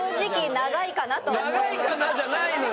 「長いかな」じゃないのよ。